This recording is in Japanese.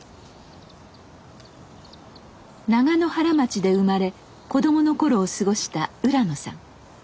長野原町で生まれ子供の頃を過ごした浦野さん。